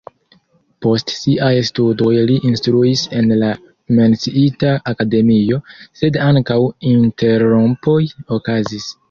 Post siaj studoj li instruis en la menciita akademio, sed ankaŭ interrompoj okazis.